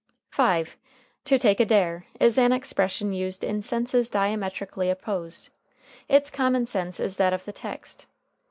] [Footnote 5: To take a dare is an expression used in senses diametrically opposed. Its common sense is that of the text.